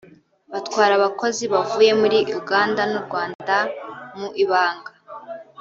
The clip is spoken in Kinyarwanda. batwara abakozi bavuye muri Uganda n’u Rwanda mu ibanga